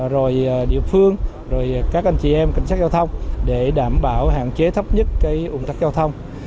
rồi địa phương rồi các anh chị em cảnh sát giao thông để đảm bảo hạn chế thấp nhất cái ủng tắc giao thông